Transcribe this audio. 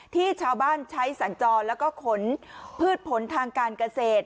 ที่ชาวบ้านใช้สัญจรแล้วก็ขนพืชผลทางการเกษตร